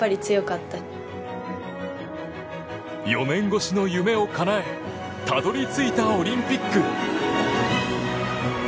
４年越しの夢をかなえたどり着いたオリンピック。